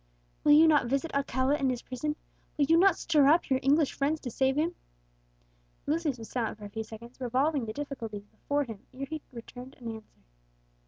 "Will you not visit Alcala in his prison? will you not stir up your English friends to save him?" Lucius was silent for a few seconds, revolving the difficulties before him, ere he returned an answer.